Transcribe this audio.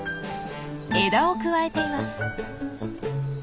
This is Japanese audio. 枝をくわえています。